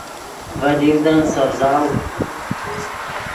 ڤے لیڤدن سڤزاؤ